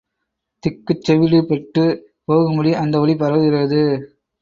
திக்குச் செவிடுபட்டுப் போகும்படி அந்த ஒலி பரவுகிறது.